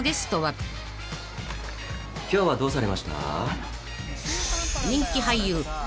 「今日はどうされました？」